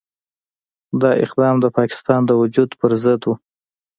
دا اقدام د پاکستان د وجود پرضد وو.